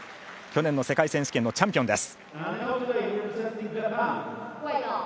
去年の世界選手権のチャンピオン。